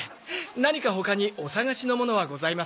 何か他にお探しのものはございますか？